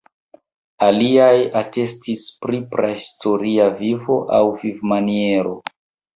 Aliaj atestis pri prahistoria vivo aŭ vivmaniero.